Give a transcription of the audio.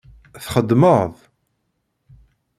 Txeddmeḍ?